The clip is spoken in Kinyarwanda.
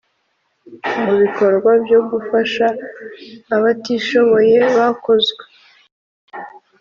Mubikorwa byogufasha abtishoboye byakozwe